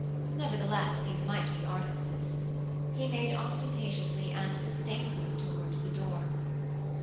Nevertheless, these might be artifices. He made ostentatiously and disdainfully towards the door.